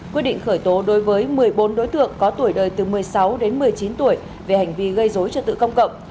quyết định khởi tố đối với một mươi bốn đối tượng có tuổi đời từ một mươi sáu đến một mươi chín tuổi về hành vi gây dối trật tự công cộng